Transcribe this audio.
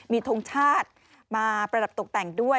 มีทงชาติมาประดับตกแต่งด้วย